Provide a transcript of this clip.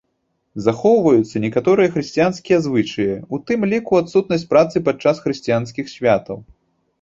Захоўваюцца некаторыя хрысціянскія звычаі, у тым ліку адсутнасць працы падчас хрысціянскіх святаў.